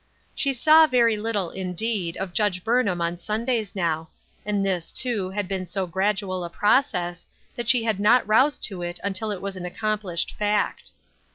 She saw very little, indeed, of Judge Burnham on Sundays now, and this, too, had been so gradual a process that she had not roused to it until it was an accomplished fact.